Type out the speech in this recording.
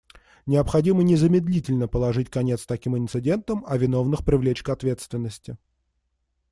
Необходимо незамедлительно положить конец таким инцидентам, а виновных привлечь к ответственности.